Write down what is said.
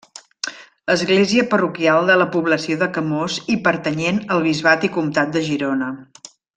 Església parroquial de la població de Camós i pertanyent al bisbat i comtat de Girona.